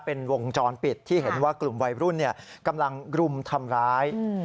เป็นวงจรปิดที่เห็นว่ากลุ่มวัยรุ่นกำลังรุมทำร้าย